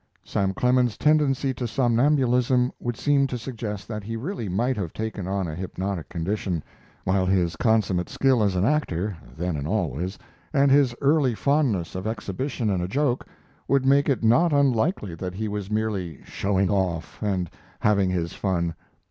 Sam Clemens's tendency to somnambulism would seem to suggest that he really might have taken on a hypnotic condition, while his consummate skill as an actor, then and always, and his early fondness of exhibition and a joke, would make it not unlikely that he was merely "showing off" and having his fun.